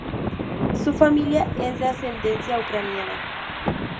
Su familia es de ascendencia ucraniana.